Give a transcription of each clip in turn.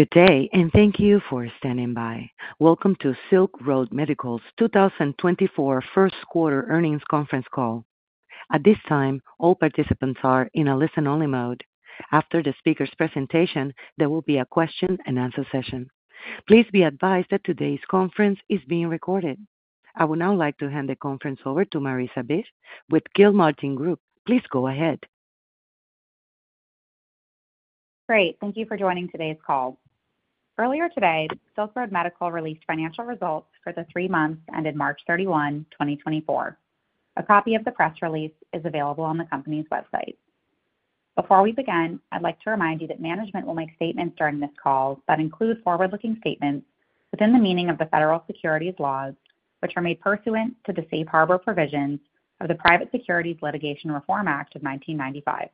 Good day and thank you for standing by. Welcome to Silk Road Medical's 2024 Q1 earnings conference call. At this time, all participants are in a listen-only mode. After the speaker's presentation, there will be a question-and-answer session. Please be advised that today's conference is being recorded. I would now like to hand the conference over to Marissa Bych with Gilmartin Group. Please go ahead. Great. Thank you for joining today's call. Earlier today, Silk Road Medical released financial results for the three months ended March 31, 2024. A copy of the press release is available on the company's website. Before we begin, I'd like to remind you that management will make statements during this call that include forward-looking statements within the meaning of the federal securities laws, which are made pursuant to the Safe Harbor provisions of the Private Securities Litigation Reform Act of 1995.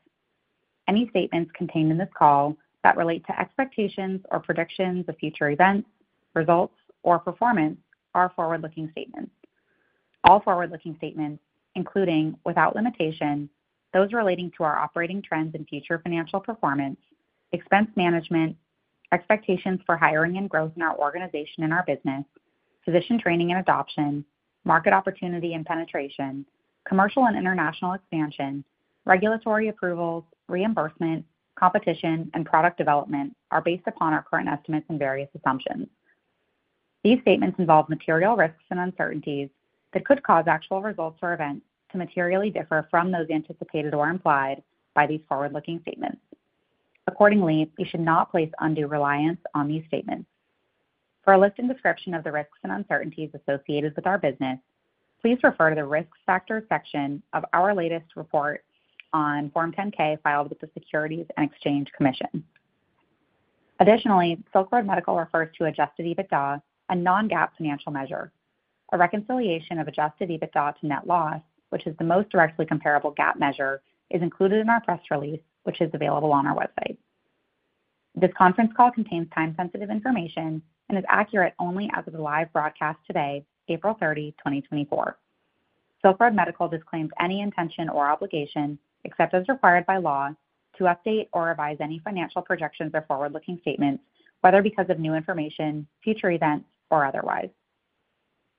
Any statements contained in this call that relate to expectations or predictions of future events, results, or performance are forward-looking statements. All forward-looking statements, including without limitation, those relating to our operating trends and future financial performance, expense management, expectations for hiring and growth in our organization and our business, physician training and adoption, market opportunity and penetration, commercial and international expansion, regulatory approvals, reimbursement, competition, and product development are based upon our current estimates and various assumptions. These statements involve material risks and uncertainties that could cause actual results or events to materially differ from those anticipated or implied by these forward-looking statements. Accordingly, you should not place undue reliance on these statements. For a list and description of the risks and uncertainties associated with our business, please refer to the Risk Factors section of our latest report on Form 10-K filed with the Securities and Exchange Commission. Additionally, Silk Road Medical refers to adjusted EBITDA, a non-GAAP financial measure. A reconciliation of Adjusted EBITDA to net loss, which is the most directly comparable GAAP measure, is included in our press release, which is available on our website. This conference call contains time-sensitive information and is accurate only as of the live broadcast today, April 30, 2024. Silk Road Medical disclaims any intention or obligation, except as required by law, to update or revise any financial projections or forward-looking statements, whether because of new information, future events, or otherwise.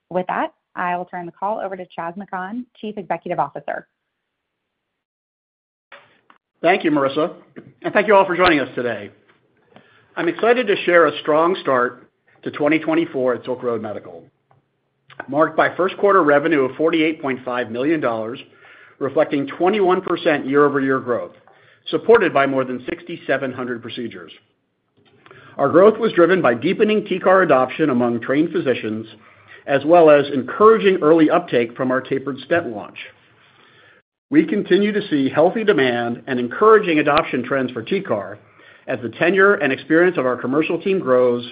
With that, I will turn the call over to Chaz McKhann, Chief Executive Officer. Thank you, Marissa. Thank you all for joining us today. I'm excited to share a strong start to 2024 at Silk Road Medical, marked by Q1 revenue of $48.5 million, reflecting 21% year-over-year growth, supported by more than 6,700 procedures. Our growth was driven by deepening TCAR adoption among trained physicians, as well as encouraging early uptake from our tapered stent launch. We continue to see healthy demand and encouraging adoption trends for TCAR as the tenure and experience of our commercial team grows,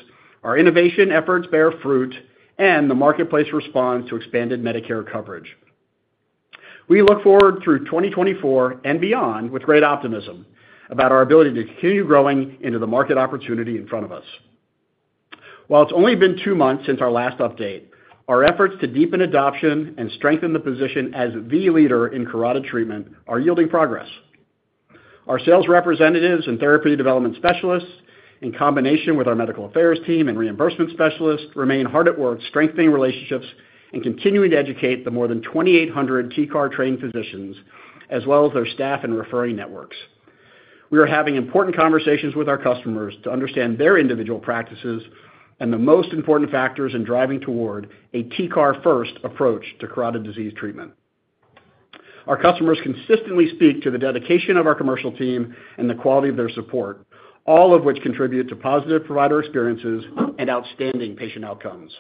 our innovation efforts bear fruit, and the marketplace responds to expanded Medicare coverage. We look forward through 2024 and beyond with great optimism about our ability to continue growing into the market opportunity in front of us. While it's only been two months since our last update, our efforts to deepen adoption and strengthen the position as the leader in carotid treatment are yielding progress. Our sales representatives and therapy development specialists, in combination with our medical affairs team and reimbursement specialists, remain hard at work strengthening relationships and continuing to educate the more than 2,800 TCAR-trained physicians, as well as their staff and referring networks. We are having important conversations with our customers to understand their individual practices and the most important factors in driving toward a TCAR-first approach to carotid disease treatment. Our customers consistently speak to the dedication of our commercial team and the quality of their support, all of which contribute to positive provider experiences and outstanding patient outcomes.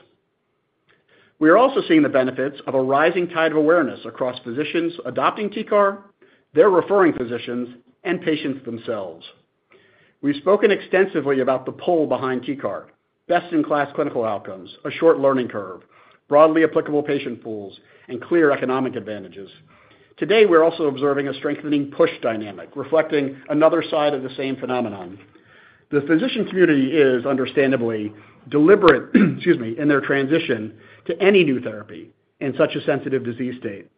We are also seeing the benefits of a rising tide of awareness across physicians adopting TCAR, their referring physicians, and patients themselves. We've spoken extensively about the pull behind TCAR: best-in-class clinical outcomes, a short learning curve, broadly applicable patient pools, and clear economic advantages. Today, we're also observing a strengthening push dynamic, reflecting another side of the same phenomenon. The physician community is, understandably, deliberate, excuse me, in their transition to any new therapy in such a sensitive disease state.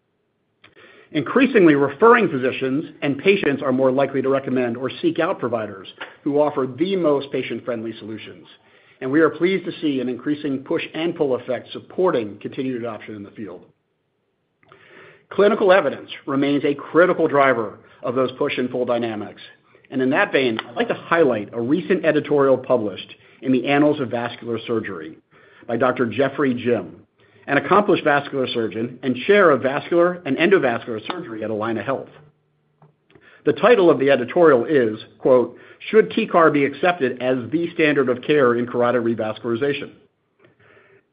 Increasingly, referring physicians and patients are more likely to recommend or seek out providers who offer the most patient-friendly solutions, and we are pleased to see an increasing push-and-pull effect supporting continued adoption in the field. Clinical evidence remains a critical driver of those push-and-pull dynamics. In that vein, I'd like to highlight a recent editorial published in the Annals of Vascular Surgery by Dr. Jeffrey Jim, an accomplished vascular surgeon and chair of vascular and endovascular surgery at Allina Health. The title of the editorial is, "Should TCAR be accepted as the standard of care in carotid revascularization?"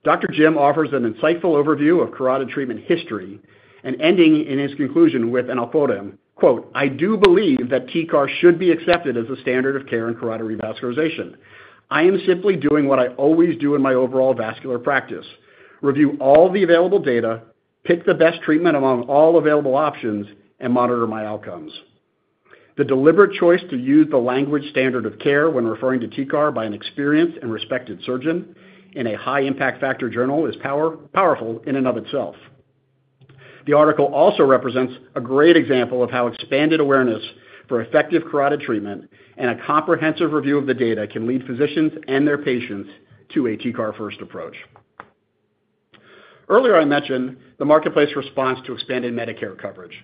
Dr. Jim offers an insightful overview of carotid treatment history and ending in his conclusion with and I'll quote him, "I do believe that TCAR should be accepted as a standard of care in carotid revascularization. I am simply doing what I always do in my overall vascular practice: review all the available data, pick the best treatment among all available options, and monitor my outcomes. The deliberate choice to use the language standard of care when referring to TCAR by an experienced and respected surgeon in a high-impact factor journal is powerful in and of itself." The article also represents a great example of how expanded awareness for effective carotid treatment and a comprehensive review of the data can lead physicians and their patients to a TCAR-first approach. Earlier, I mentioned the marketplace response to expanded Medicare coverage.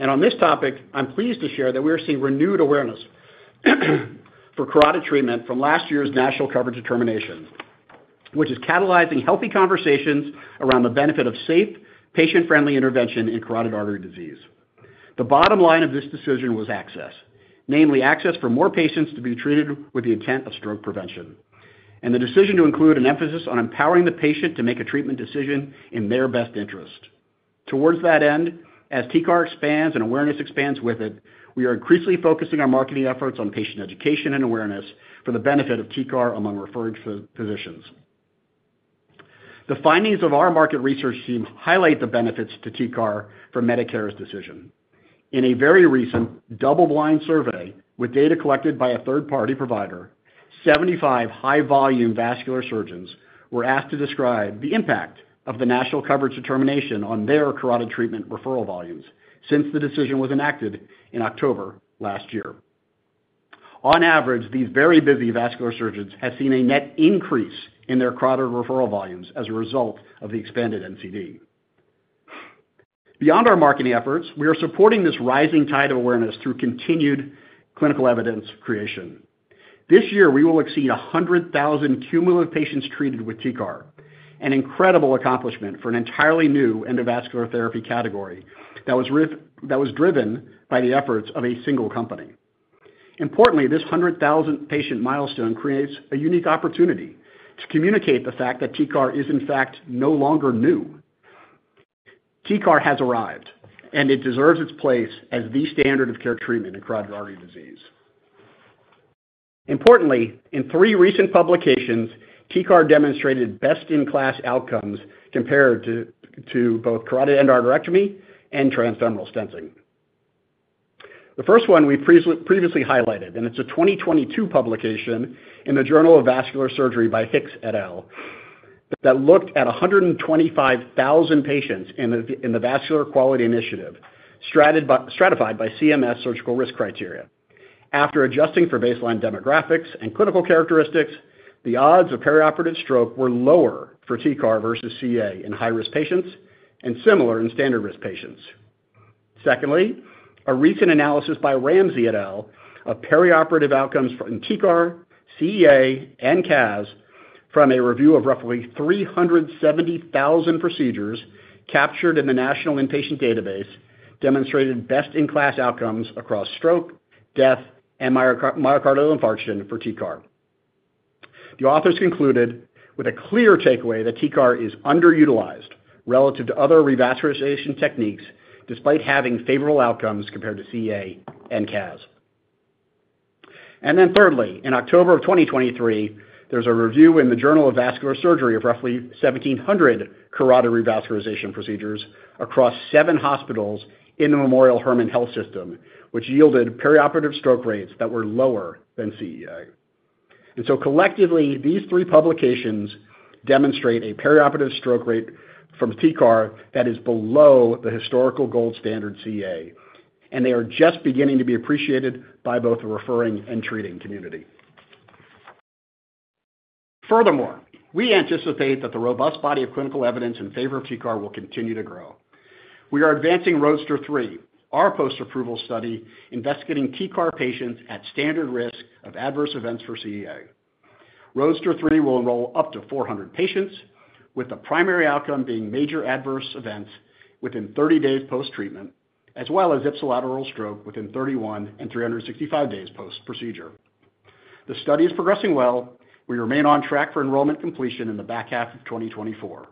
On this topic, I'm pleased to share that we are seeing renewed awareness for carotid treatment from last year's National Coverage Determination, which is catalyzing healthy conversations around the benefit of safe, patient-friendly intervention in carotid artery disease. The bottom line of this decision was access, namely access for more patients to be treated with the intent of stroke prevention, and the decision to include an emphasis on empowering the patient to make a treatment decision in their best interest. Toward that end, as TCAR expands and awareness expands with it, we are increasingly focusing our marketing efforts on patient education and awareness for the benefit of TCAR among referring physicians. The findings of our market research team highlight the benefits to TCAR for Medicare's decision. In a very recent double-blind survey with data collected by a third-party provider, 75 high-volume vascular surgeons were asked to describe the impact of the National Coverage Determination on their carotid treatment referral volumes since the decision was enacted in October last year. On average, these very busy vascular surgeons have seen a net increase in their carotid referral volumes as a result of the expanded NCD. Beyond our marketing efforts, we are supporting this rising tide of awareness through continued clinical evidence creation. This year, we will exceed 100,000 cumulative patients treated with TCAR, an incredible accomplishment for an entirely new endovascular therapy category that was driven by the efforts of a single company. Importantly, this 100,000-patient milestone creates a unique opportunity to communicate the fact that TCAR is, in fact, no longer new. TCAR has arrived, and it deserves its place as the standard of care treatment in carotid artery disease. Importantly, in three recent publications, TCAR demonstrated best-in-class outcomes compared to both carotid endarterectomy and transfemoral stenting. The first one we previously highlighted, and it's a 2022 publication in the Journal of Vascular Surgery by Hicks et al., that looked at 125,000 patients in the Vascular Quality Initiative, stratified by CMS surgical risk criteria. After adjusting for baseline demographics and clinical characteristics, the odds of perioperative stroke were lower for TCAR versus CEA in high-risk patients and similar in standard-risk patients. Secondly, a recent analysis by Ramsey et al. of perioperative outcomes in TCAR, CEA, and CAS from a review of roughly 370,000 procedures captured in the National Inpatient Database demonstrated best-in-class outcomes across stroke, death, and myocardial infarction for TCAR. The authors concluded with a clear takeaway that TCAR is underutilized relative to other revascularization techniques despite having favorable outcomes compared to CEA and CAS. Then thirdly, in October of 2023, there's a review in the Journal of Vascular Surgery of roughly 1,700 carotid revascularization procedures across seven hospitals in the Memorial Hermann Health System, which yielded perioperative stroke rates that were lower than CEA. Collectively, these three publications demonstrate a perioperative stroke rate from TCAR that is below the historical gold standard CEA, and they are just beginning to be appreciated by both the referring and treating community. Furthermore, we anticipate that the robust body of clinical evidence in favor of TCAR will continue to grow. We are advancing ROADSTER 3, our post-approval study investigating TCAR patients at standard risk of adverse events for CEA. ROADSTER 3 will enroll up to 400 patients, with the primary outcome being major adverse events within 30 days post-treatment, as well as ipsilateral stroke within 31 and 365 days post-procedure. The study is progressing well. We remain on track for enrollment completion in the back half of 2024.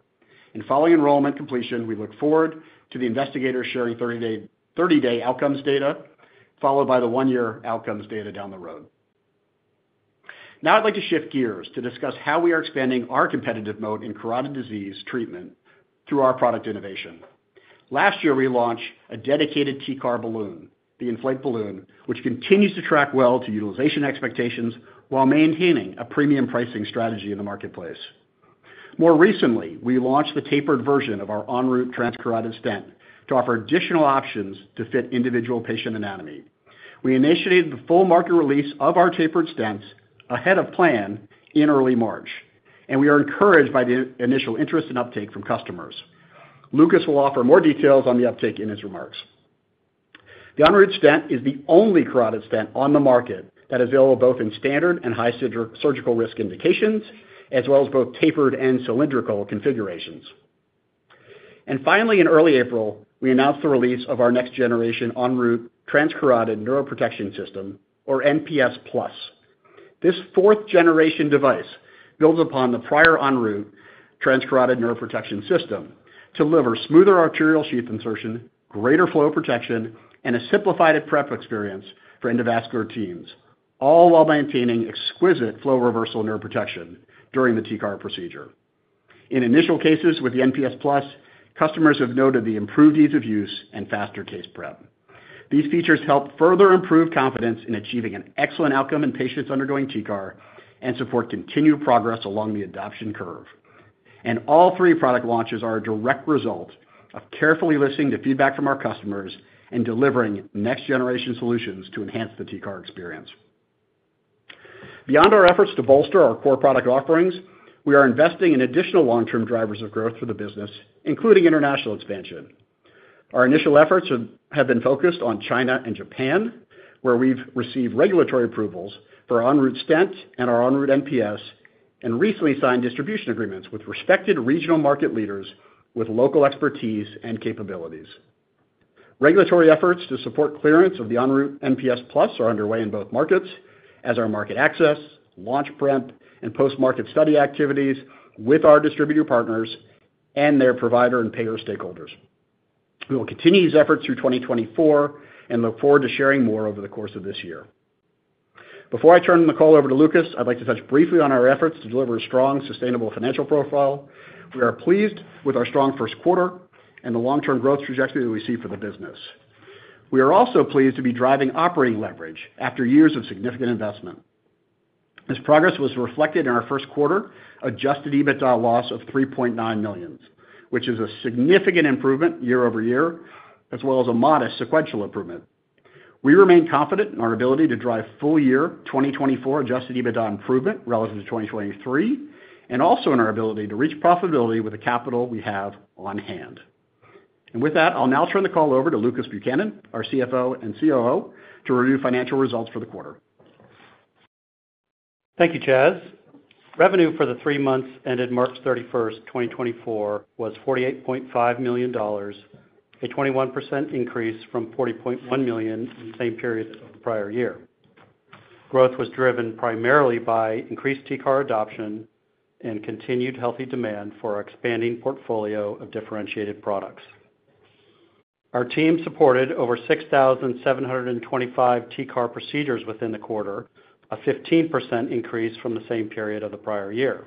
In following enrollment completion, we look forward to the investigators sharing 30-day outcomes data, followed by the one-year outcomes data down the road. Now I'd like to shift gears to discuss how we are expanding our competitive moat in carotid disease treatment through our product innovation. Last year, we launched a dedicated TCAR balloon, the ENFLATE Balloon, which continues to track well to utilization expectations while maintaining a premium pricing strategy in the marketplace. More recently, we launched the tapered version of our ENROUTE Transcarotid Stent to offer additional options to fit individual patient anatomy. We initiated the full market release of our tapered stents ahead of plan in early March, and we are encouraged by the initial interest and uptake from customers. Lucas will offer more details on the uptake in his remarks. The ENROUTE stent is the only carotid stent on the market that is available both in standard and high surgical risk indications, as well as both tapered and cylindrical configurations. And finally, in early April, we announced the release of our next-generation ENROUTE Transcarotid Neuroprotection System, or NPS Plus. This fourth-generation device builds upon the prior ENROUTE Transcarotid Neuroprotection System to deliver smoother arterial sheath insertion, greater flow protection, and a simplified prep experience for endovascular teams, all while maintaining exquisite flow reversal neuroprotection during the TCAR procedure. In initial cases with the NPS Plus, customers have noted the improved ease of use and faster case prep. These features help further improve confidence in achieving an excellent outcome in patients undergoing TCAR and support continue progress along the adoption curve. All three product launches are a direct result of carefully listening to feedback from our customers and delivering next-generation solutions to enhance the TCAR experience. Beyond our efforts to bolster our core product offerings, we are investing in additional long-term drivers of growth for the business, including international expansion. Our initial efforts have been focused on China and Japan, where we've received regulatory approvals for our ENROUTE stent and our ENROUTE NPS, and recently signed distribution agreements with respected regional market leaders with local expertise and capabilities. Regulatory efforts to support clearance of the ENROUTE NPS Plus are underway in both markets, as are market access, launch prep, and post-market study activities with our distributor partners and their provider and payer stakeholders. We will continue these efforts through 2024 and look forward to sharing more over the course of this year. Before I turn the call over to Lucas, I'd like to touch briefly on our efforts to deliver a strong, sustainable financial profile. We are pleased with our strong Q1 and the long-term growth trajectory that we see for the business. We are also pleased to be driving operating leverage after years of significant investment. As progress was reflected in our Q1, adjusted EBITDA loss of $3.9 million, which is a significant improvement year-over-year, as well as a modest sequential improvement. We remain confident in our ability to drive full-year 2024 adjusted EBITDA improvement relative to 2023, and also in our ability to reach profitability with the capital we have on hand. With that, I'll now turn the call over to Lucas Buchanan, our CFO and COO, to review financial results for the quarter. Thank you, Chaz. Revenue for the three months ended March 31st, 2024, was $48.5 million, a 21% increase from $40.1 million in the same period of the prior year. Growth was driven primarily by increased TCAR adoption and continued healthy demand for our expanding portfolio of differentiated products. Our team supported over 6,725 TCAR procedures within the quarter, a 15% increase from the same period of the prior year.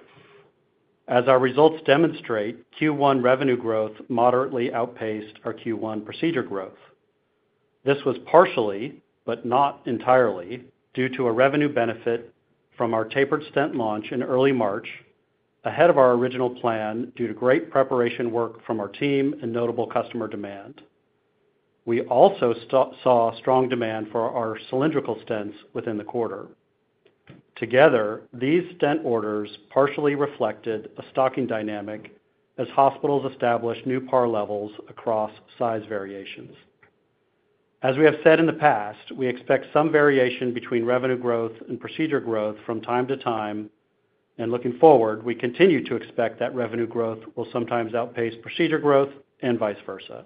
As our results demonstrate, Q1 revenue growth moderately outpaced our Q1 procedure growth. This was partially, but not entirely, due to a revenue benefit from our tapered stent launch in early March, ahead of our original plan due to great preparation work from our team and notable customer demand. We also saw strong demand for our cylindrical stents within the quarter. Together, these stent orders partially reflected a stocking dynamic as hospitals established new PAR levels across size variations. As we have said in the past, we expect some variation between revenue growth and procedure growth from time to time, and looking forward, we continue to expect that revenue growth will sometimes outpace procedure growth and vice versa.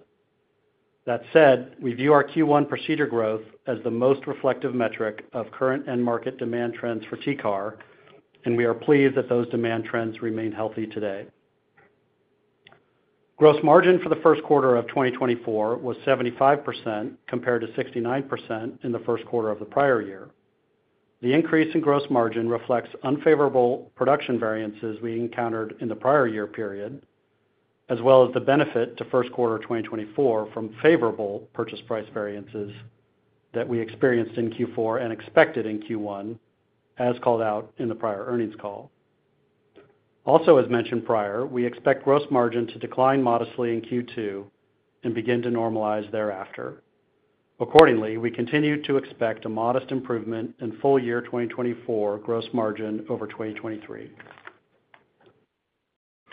That said, we view our Q1 procedure growth as the most reflective metric of current and market demand trends for TCAR, and we are pleased that those demand trends remain healthy today. Gross margin for the Q1 of 2024 was 75% compared to 69% in the Q1 of the prior year. The increase in gross margin reflects unfavorable production variances we encountered in the prior year period, as well as the benefit to Q1 2024 from favorable purchase price variances that we experienced in Q4 and expected in Q1, as called out in the prior earnings call. Also, as mentioned prior, we expect gross margin to decline modestly in Q2 and begin to normalize thereafter. Accordingly, we continue to expect a modest improvement in full-year 2024 gross margin over 2023.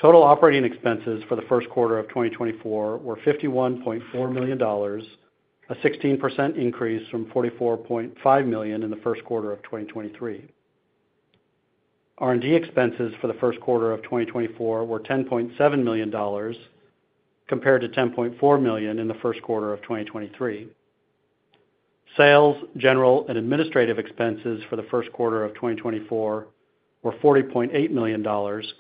Total operating expenses for the Q1 of 2024 were $51.4 million, a 16% increase from $44.5 million in the Q1 of 2023. R&D expenses for the Q1 of 2024 were $10.7 million compared to $10.4 million in the Q1 of 2023. Sales, general, and administrative expenses for the Q1 of 2024 were $40.8 million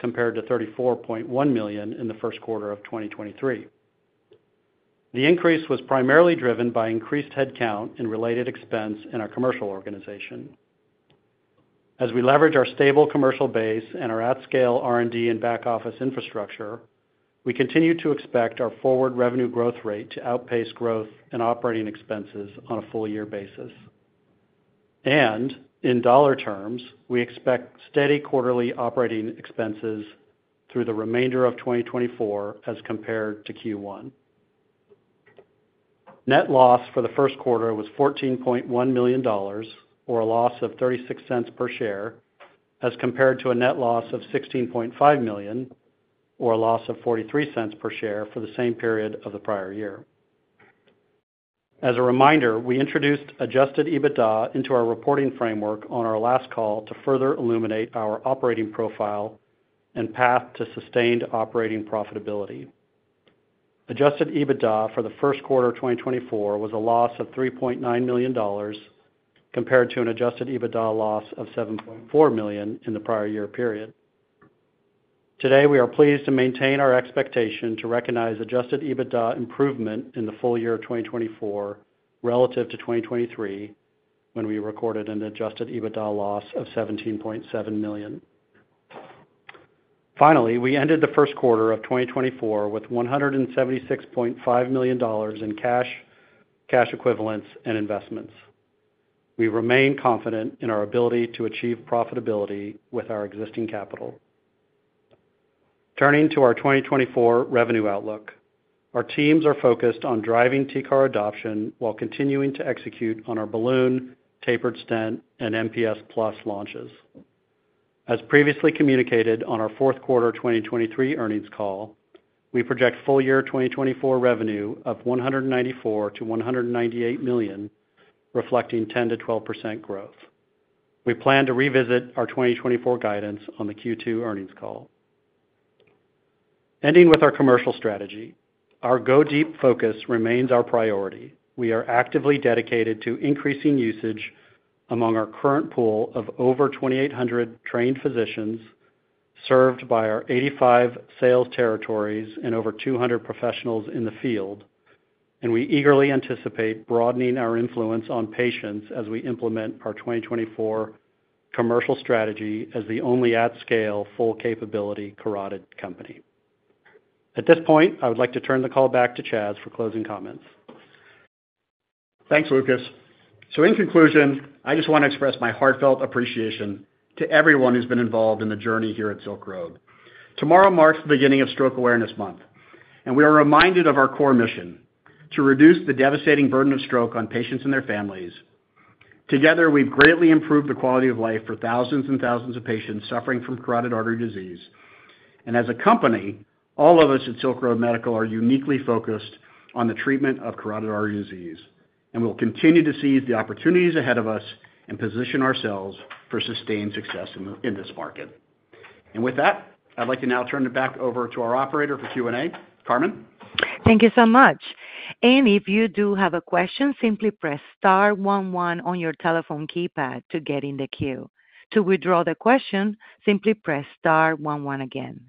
compared to $34.1 million in the Q1 of 2023. The increase was primarily driven by increased headcount and related expense in our commercial organization. As we leverage our stable commercial base and our at-scale R&D and back-office infrastructure, we continue to expect our forward revenue growth rate to outpace growth and operating expenses on a full-year basis. In dollar terms, we expect steady quarterly operating expenses through the remainder of 2024 as compared to Q1. Net loss for the Q1 was $14.1 million, or a loss of $0.36 per share, as compared to a net loss of $16.5 million, or a loss of $0.43 per share for the same period of the prior year. As a reminder, we introduced Adjusted EBITDA into our reporting framework on our last call to further illuminate our operating profile and path to sustained operating profitability. Adjusted EBITDA for the Q1 2024 was a loss of $3.9 million compared to an Adjusted EBITDA loss of $7.4 million in the prior year period. Today, we are pleased to maintain our expectation to recognize Adjusted EBITDA improvement in the full year 2024 relative to 2023 when we recorded an Adjusted EBITDA loss of $17.7 million. Finally, we ended the Q1 of 2024 with $176.5 million in cash equivalents and investments. We remain confident in our ability to achieve profitability with our existing capital. Turning to our 2024 revenue outlook, our teams are focused on driving TCAR adoption while continuing to execute on our balloon, tapered stent, and NPS Plus launches. As previously communicated on our Q4 2023 earnings call, we project full-year 2024 revenue of $194-$198 million, reflecting 10%-12% growth. We plan to revisit our 2024 guidance on the Q2 earnings call. Ending with our commercial strategy, our go-deep focus remains our priority. We are actively dedicated to increasing usage among our current pool of over 2,800 trained physicians served by our 85 sales territories and over 200 professionals in the field, and we eagerly anticipate broadening our influence on patients as we implement our 2024 commercial strategy as the only at-scale full-capability carotid company. At this point, I would like to turn the call back to Chaz for closing comments. Thanks, Lucas. In conclusion, I just want to express my heartfelt appreciation to everyone who's been involved in the journey here at Silk Road. Tomorrow marks the beginning of Stroke Awareness Month, and we are reminded of our core mission: to reduce the devastating burden of stroke on patients and their families. Together, we've greatly improved the quality of life for thousands and thousands of patients suffering from carotid artery disease. As a company, all of us at Silk Road Medical are uniquely focused on the treatment of carotid artery disease, and we'll continue to seize the opportunities ahead of us and position ourselves for sustained success in this market. With that, I'd like to now turn it back over to our operator for Q&A, Carmen. Thank you so much. And if you do have a question, simply press star 11 on your telephone keypad to get in the queue. To withdraw the question, simply press star 11 again.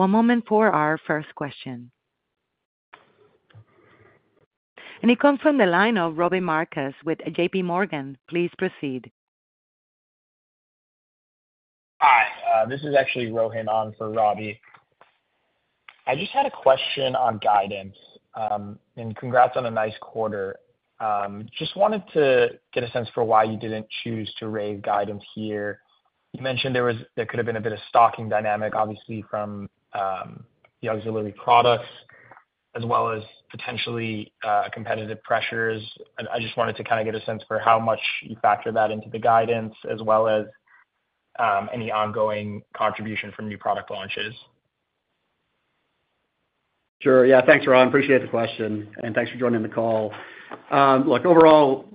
One moment for our first question. And it comes from the line of Robbie Marcus with J.P. Morgan. Please proceed. Hi. This is actually Rohan on for Robbie. I just had a question on guidance, and congrats on a nice quarter. Just wanted to get a sense for why you didn't choose to raise guidance here. You mentioned there could have been a bit of stocking dynamic, obviously, from the auxiliary products, as well as potentially competitive pressures. I just wanted to kind of get a sense for how much you factor that into the guidance, as well as any ongoing contribution from new product launches. Sure. Yeah. Thanks, Rohan. Appreciate the question, and thanks for joining the call. Look, overall,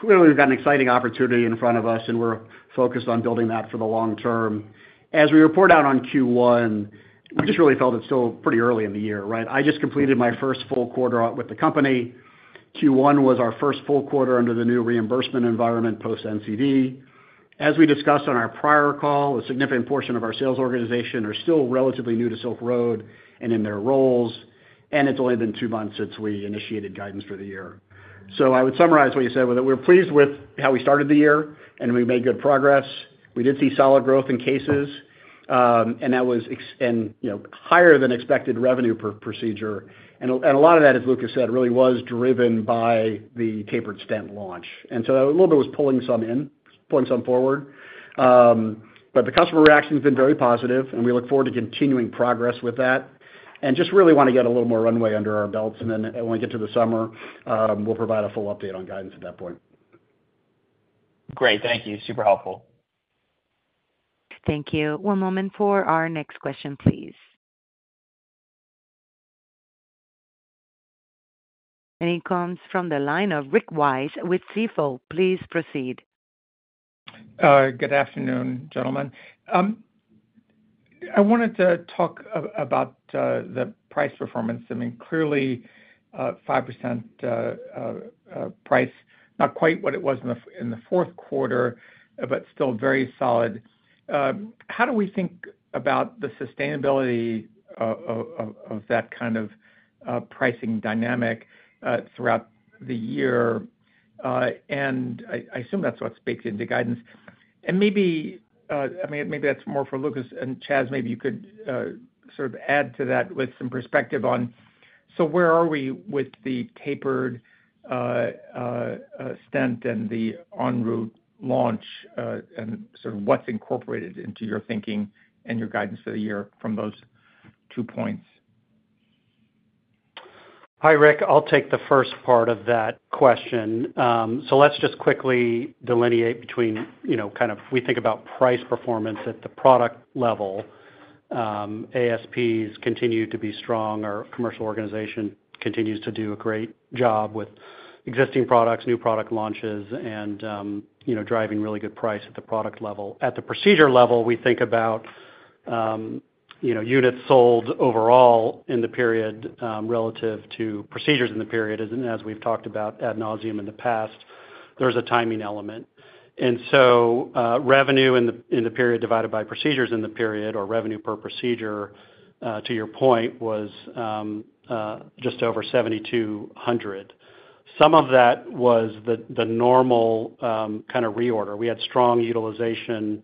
clearly we've got an exciting opportunity in front of us, and we're focused on building that for the long term. As we report out on Q1, we just really felt it's still pretty early in the year, right? I just completed my first full quarter with the company. Q1 was our first full quarter under the new reimbursement environment post-NCD. As we discussed on our prior call, a significant portion of our sales organization are still relatively new to Silk Road and in their roles, and it's only been two months since we initiated guidance for the year. So I would summarize what you said with it: we're pleased with how we started the year, and we made good progress. We did see solid growth in cases, and that was higher than expected revenue per procedure. And a lot of that, as Lucas said, really was driven by the tapered stent launch. And so a little bit was pulling some in, pulling some forward. But the customer reaction has been very positive, and we look forward to continuing progress with that. And just really want to get a little more runway under our belts, and then when we get to the summer, we'll provide a full update on guidance at that point. Great. Thank you. Super helpful. Thank you. One moment for our next question, please. It comes from the line of Rick Wise with Stifel. Please proceed. Good afternoon, gentlemen. I wanted to talk about the price performance. I mean, clearly 5% price, not quite what it was in the Q4, but still very solid. How do we think about the sustainability of that kind of pricing dynamic throughout the year? I assume that's what speaks into guidance. Maybe that's more for Lucas. Chaz, maybe you could sort of add to that with some perspective on, so where are we with the tapered stent and the ENROUTE launch, and sort of what's incorporated into your thinking and your guidance for the year from those two points? Hi, Rick. I'll take the first part of that question. So let's just quickly delineate between kind of we think about price performance at the product level. ASPs continue to be strong. Our commercial organization continues to do a great job with existing products, new product launches, and driving really good price at the product level. At the procedure level, we think about units sold overall in the period relative to procedures in the period. And as we've talked about ad nauseam in the past, there's a timing element. And so revenue in the period divided by procedures in the period, or revenue per procedure, to your point, was just over $7,200. Some of that was the normal kind of reorder. We had strong utilization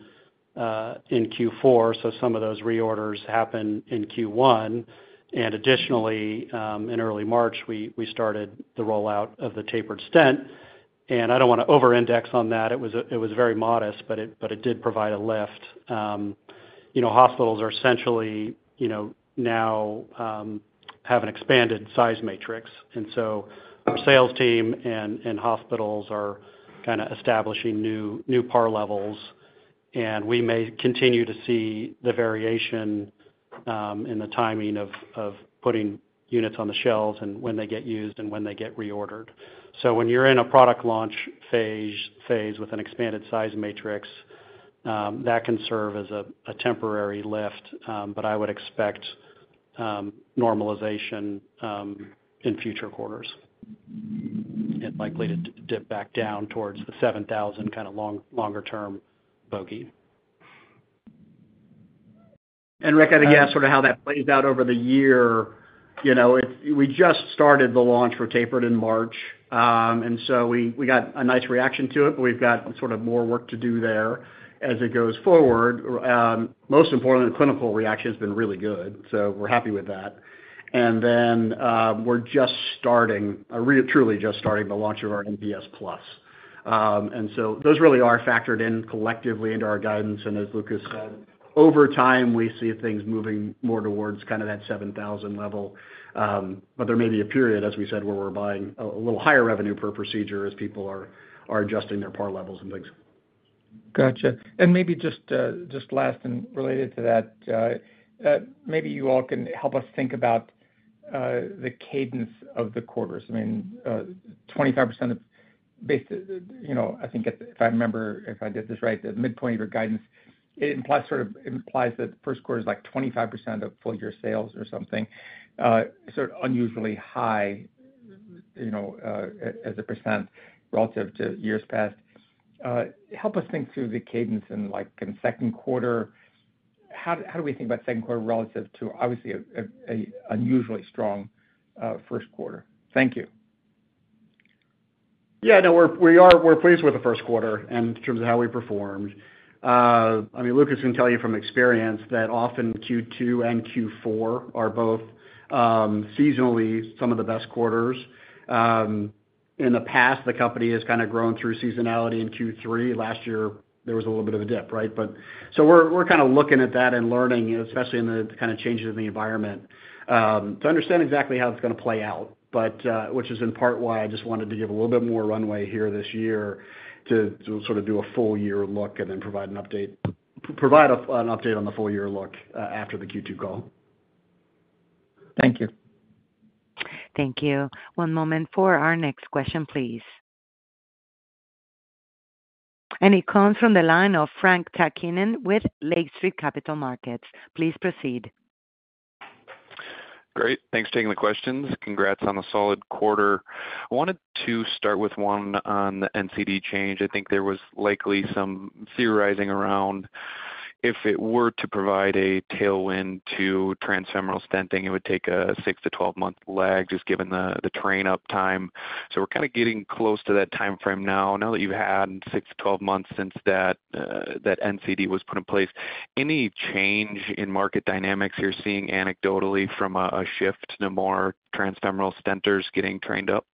in Q4, so some of those reorders happened in Q1. And additionally, in early March, we started the rollout of the tapered stent. I don't want to over-index on that. It was very modest, but it did provide a lift. Hospitals now have an expanded size matrix. So our sales team and hospitals are kind of establishing new PAR levels, and we may continue to see the variation in the timing of putting units on the shelves and when they get used and when they get reordered. So when you're in a product launch phase with an expanded size matrix, that can serve as a temporary lift, but I would expect normalization in future quarters. It's likely to dip back down towards the 7,000 kind of longer-term bogey. Rick, I think, yeah, sort of how that plays out over the year. We just started the launch for tapered in March, and so we got a nice reaction to it, but we've got sort of more work to do there as it goes forward. Most importantly, the clinical reaction has been really good, so we're happy with that. Then we're just starting, truly just starting, the launch of our NPS Plus. So those really are factored in collectively into our guidance. As Lucas said, over time, we see things moving more towards kind of that 7,000 level. But there may be a period, as we said, where we're buying a little higher revenue per procedure as people are adjusting their PAR levels and things. Gotcha. And maybe just last and related to that, maybe you all can help us think about the cadence of the quarters. I mean, 25% of—I think, if I remember, if I did this right—the midpoint of your guidance, it sort of implies that Q1 is like 25% of full-year sales or something. Sort of unusually high as a percent relative to years past. Help us think through the cadence in Q2. How do we think about Q2 relative to, obviously, an unusually strong Q1? Thank you. Yeah. No, we're pleased with the Q1 and in terms of how we performed. I mean, Lucas can tell you from experience that often Q2 and Q4 are both seasonally some of the best quarters. In the past, the company has kind of grown through seasonality in Q3. Last year, there was a little bit of a dip, right? So we're kind of looking at that and learning, especially in the kind of changes in the environment, to understand exactly how it's going to play out, which is in part why I just wanted to give a little bit more runway here this year to sort of do a full-year look and then provide an update provide an update on the full-year look after the Q2 call. Thank you. Thank you. One moment for our next question, please. It comes from the line of Frank Takkinen with Lake Street Capital Markets. Please proceed. Great. Thanks for taking the questions. Congrats on a solid quarter. I wanted to start with one on the NCD change. I think there was likely some theorizing around if it were to provide a tailwind to transfemoral stenting, it would take a 6- to 12-month lag, just given the train-up time. So we're kind of getting close to that timeframe now, now that you've had 6- to 12 months since that NCD was put in place. Any change in market dynamics you're seeing anecdotally from a shift to more transfemoral stenters getting trained up?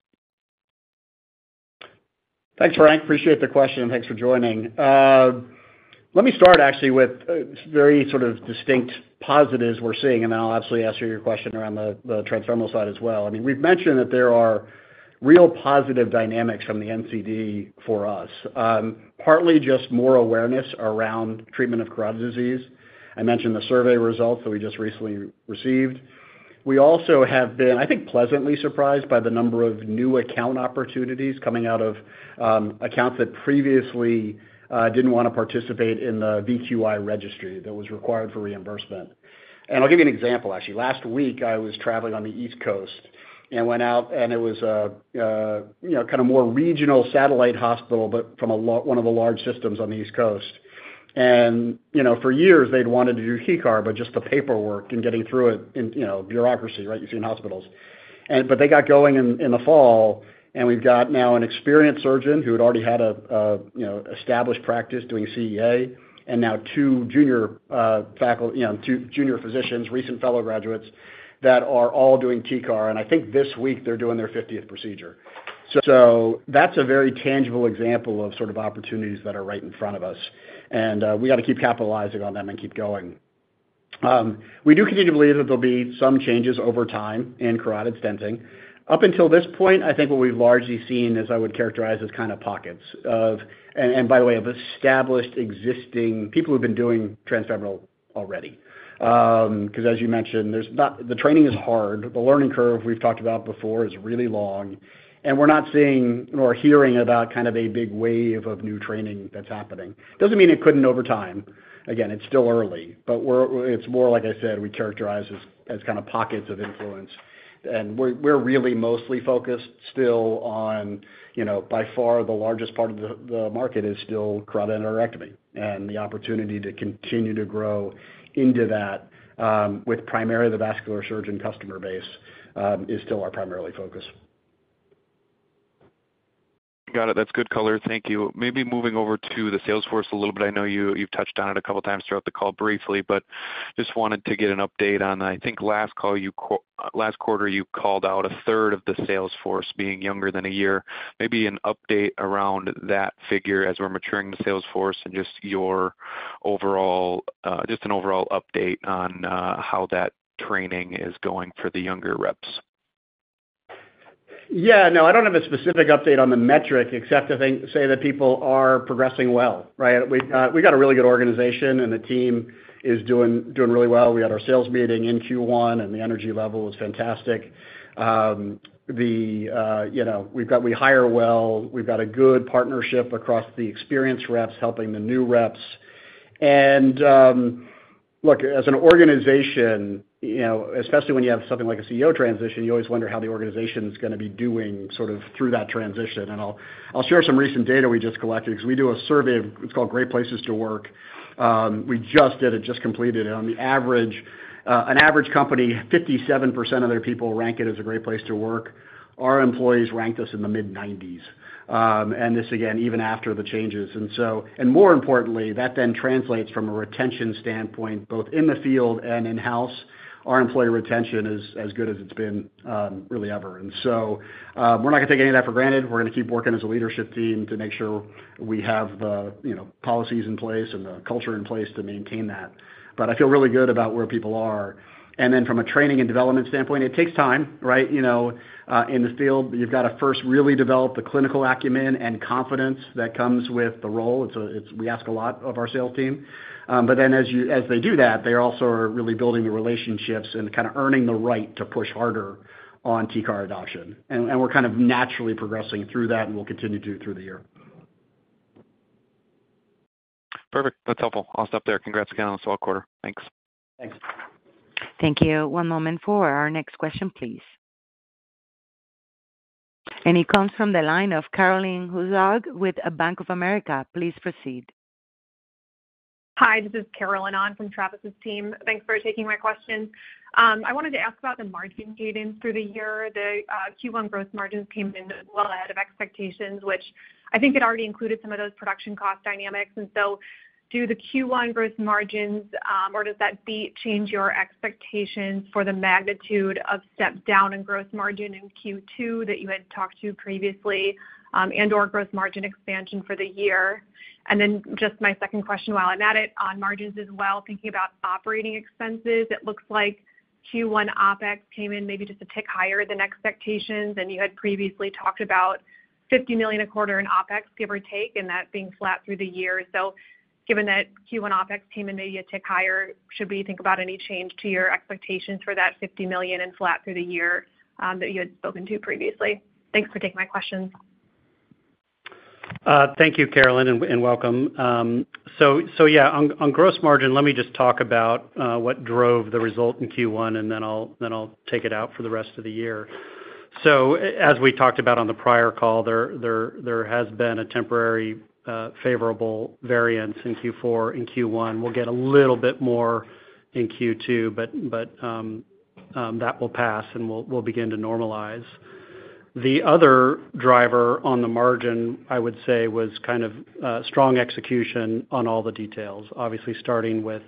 Thanks, Frank. Appreciate the question, and thanks for joining. Let me start, actually, with very sort of distinct positives we're seeing, and then I'll absolutely answer your question around the transfemoral side as well. I mean, we've mentioned that there are real positive dynamics from the NCD for us, partly just more awareness around treatment of carotid disease. I mentioned the survey results that we just recently received. We also have been, I think, pleasantly surprised by the number of new account opportunities coming out of accounts that previously didn't want to participate in the VQI registry that was required for reimbursement. And I'll give you an example, actually. Last week, I was traveling on the East Coast and went out, and it was kind of a more regional satellite hospital, but from one of the large systems on the East Coast. For years, they'd wanted to do TCAR, but just the paperwork and getting through it and bureaucracy, right? You see in hospitals. They got going in the fall, and we've got now an experienced surgeon who had already had an established practice doing CEA and now two junior faculty two junior physicians, recent fellow graduates, that are all doing TCAR. I think this week, they're doing their 50th procedure. That's a very tangible example of sort of opportunities that are right in front of us, and we got to keep capitalizing on them and keep going. We do continue to believe that there'll be some changes over time in carotid stenting. Up until this point, I think what we've largely seen is, I would characterize as kind of pockets of and by the way, of established existing people who've been doing transfemoral already. Because as you mentioned, the training is hard. The learning curve we've talked about before is really long, and we're not seeing or hearing about kind of a big wave of new training that's happening. Doesn't mean it couldn't over time. Again, it's still early, but it's more, like I said, we characterize as kind of pockets of influence. And we're really mostly focused still on by far, the largest part of the market is still carotid endarterectomy, and the opportunity to continue to grow into that with primarily the vascular surgeon customer base is still our primary focus. Got it. That's good color. Thank you. Maybe moving over to the sales force a little bit. I know you've touched on it a couple of times throughout the call briefly, but just wanted to get an update on, I think, last quarter, you called out a third of the sales force being younger than a year. Maybe an update around that figure as we're maturing the sales force and just an overall update on how that training is going for the younger reps. Yeah. No, I don't have a specific update on the metric except to say that people are progressing well, right? We've got a really good organization, and the team is doing really well. We had our sales meeting in Q1, and the energy level was fantastic. We hire well. We've got a good partnership across the experienced reps helping the new reps. And look, as an organization, especially when you have something like a CEO transition, you always wonder how the organization's going to be doing sort of through that transition. And I'll share some recent data we just collected because we do a survey. It's called Great Place to Work. We just did it. Just completed it. On average, an average company, 57% of their people rank it as a great place to work. Our employees ranked us in the mid-90s. And this, again, even after the changes. More importantly, that then translates from a retention standpoint, both in the field and in-house, our employee retention is as good as it's been really ever. So we're not going to take any of that for granted. We're going to keep working as a leadership team to make sure we have the policies in place and the culture in place to maintain that. But I feel really good about where people are. Then from a training and development standpoint, it takes time, right? In the field, you've got to first really develop the clinical acumen and confidence that comes with the role. We ask a lot of our sales team. But then as they do that, they also are really building the relationships and kind of earning the right to push harder on TCAR adoption. We're kind of naturally progressing through that, and we'll continue to through the year. Perfect. That's helpful. I'll stop there. Congrats again on this fall quarter. Thanks. Thanks. Thank you. One moment for our next question, please. It comes from the line of Caroline Hyland with Bank of America. Please proceed. Hi. This is Caroline Hyland from Travis's team. Thanks for taking my question. I wanted to ask about the margin cadence through the year. The Q1 gross margins came in well ahead of expectations, which I think it already included some of those production cost dynamics. And so do the Q1 gross margins, or does that change your expectations for the magnitude of step down in gross margin in Q2 that you had talked to previously and/or gross margin expansion for the year? And then just my second question while I'm at it, on margins as well, thinking about operating expenses, it looks like Q1 OpEx came in maybe just a tick higher than expectations, and you had previously talked about $50 million a quarter in OpEx, give or take, and that being flat through the year. Given that Q1 OpEx came in maybe a tick higher, should we think about any change to your expectations for that $50 million and flat through the year that you had spoken to previously? Thanks for taking my question. Thank you, Caroline, and welcome. So yeah, on growth margin, let me just talk about what drove the result in Q1, and then I'll take it out for the rest of the year. So as we talked about on the prior call, there has been a temporary favorable variance in Q4 and Q1. We'll get a little bit more in Q2, but that will pass, and we'll begin to normalize. The other driver on the margin, I would say, was kind of strong execution on all the details, obviously starting with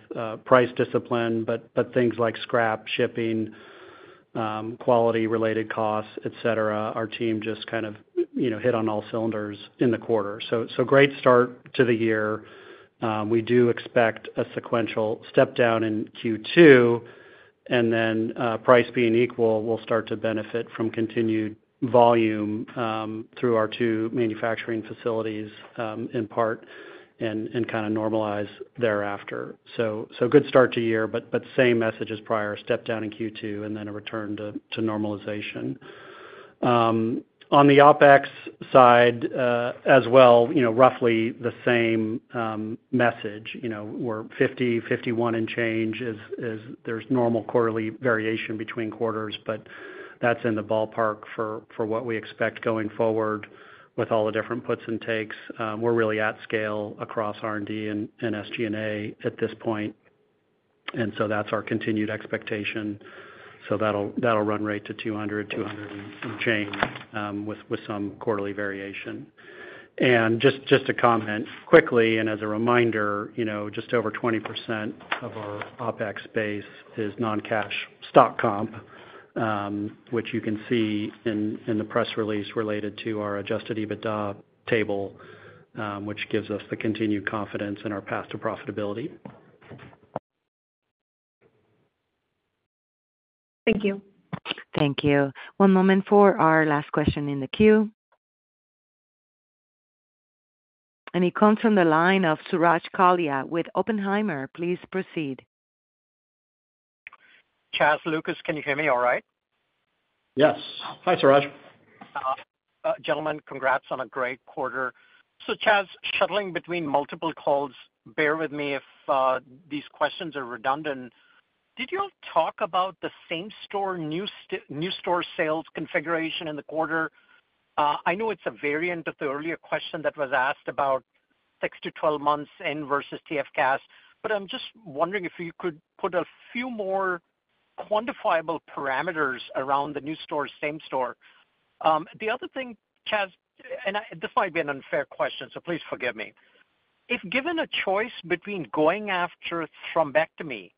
price discipline, but things like scrap, shipping, quality-related costs, etc. Our team just kind of hit on all cylinders in the quarter. So great start to the year. We do expect a sequential step down in Q2, and then price being equal, we'll start to benefit from continued volume through our two manufacturing facilities in part and kind of normalize thereafter. So good start to year, but same message as prior, step down in Q2 and then a return to normalization. On the OpEx side as well, roughly the same message. We're 50, 51 and change as there's normal quarterly variation between quarters, but that's in the ballpark for what we expect going forward with all the different puts and takes. We're really at scale across R&D and SG&A at this point, and so that's our continued expectation. So that'll run rate to 200, 200 and change with some quarterly variation. Just to comment quickly and as a reminder, just over 20% of our OPEX base is non-cash stock comp, which you can see in the press release related to our adjusted EBITDA table, which gives us the continued confidence in our path to profitability. Thank you. Thank you. One moment for our last question in the queue. It comes from the line of Suraj Kalia with Oppenheimer. Please proceed. Chaz, Lucas, can you hear me all right? Yes. Hi, Suraj. Gentlemen, congrats on a great quarter. Chaz, shuttling between multiple calls, bear with me if these questions are redundant. Did you all talk about the same-store new-store sales configuration in the quarter? I know it's a variant of the earlier question that was asked about 6-12 months in versus TFCAS, but I'm just wondering if you could put a few more quantifiable parameters around the new-store, same-store. The other thing, Chaz, and this might be an unfair question, so please forgive me. If given a choice between going after thrombectomy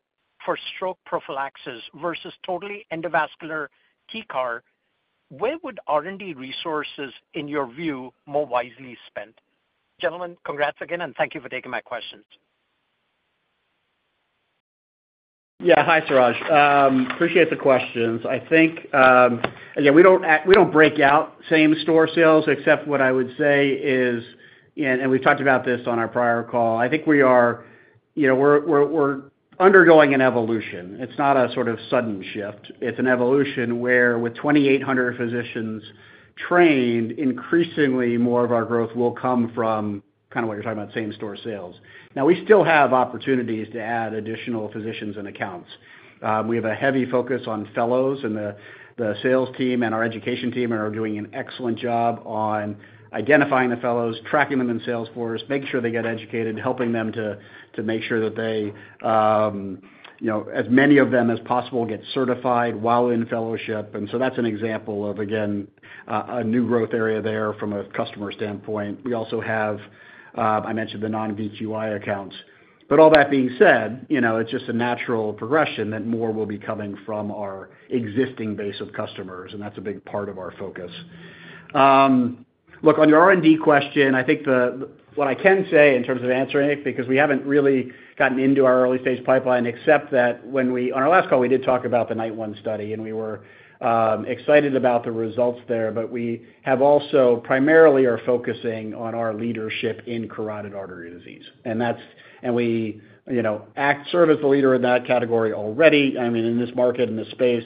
for stroke prophylaxis versus totally endovascular TCAR, where would R&D resources, in your view, more wisely spend? Gentlemen, congrats again, and thank you for taking my questions. Yeah. Hi, Suraj. Appreciate the questions. I think, again, we don't break out same-store sales except what I would say is, and we've talked about this on our prior call. I think we are undergoing an evolution. It's not a sort of sudden shift. It's an evolution where, with 2,800 physicians trained, increasingly more of our growth will come from kind of what you're talking about, same-store sales. Now, we still have opportunities to add additional physicians and accounts. We have a heavy focus on fellows and the sales team and our education team are doing an excellent job on identifying the fellows, tracking them in Salesforce, making sure they get educated, helping them to make sure that as many of them as possible get certified while in fellowship. And so that's an example of, again, a new growth area there from a customer standpoint. We also have, I mentioned, the non-VQI accounts. But all that being said, it's just a natural progression that more will be coming from our existing base of customers, and that's a big part of our focus. Look, on your R&D question, I think what I can say in terms of answering it, because we haven't really gotten into our early-stage pipeline, except that on our last call, we did talk about the NITE-1 study, and we were excited about the results there, but we have also primarily are focusing on our leadership in carotid artery disease. And we serve as the leader in that category already, I mean, in this market, in this space,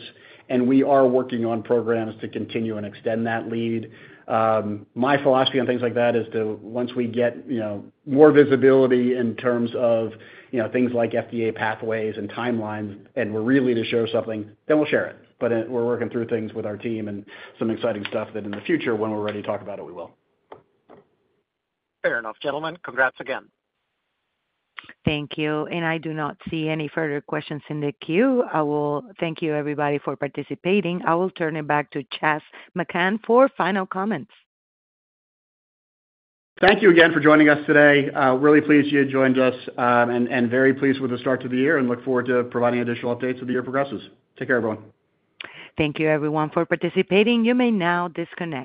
and we are working on programs to continue and extend that lead. My philosophy on things like that is to, once we get more visibility in terms of things like FDA pathways and timelines and we're ready to show something, then we'll share it. But we're working through things with our team and some exciting stuff that, in the future, when we're ready to talk about it, we will. Fair enough, gentlemen. Congrats again. Thank you. I do not see any further questions in the queue. I will thank you, everybody, for participating. I will turn it back to Chas McKhann for final comments. Thank you again for joining us today. Really pleased you had joined us and very pleased with the start to the year and look forward to providing additional updates as the year progresses. Take care, everyone. Thank you, everyone, for participating. You may now disconnect.